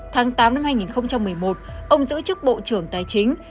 tháng tám năm hai nghìn một mươi một ông giữ chức bộ trưởng tài chính